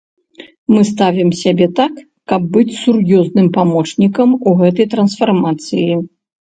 Мы ставім сябе так, каб быць сур'ёзным памочнікам у гэтай трансфармацыі.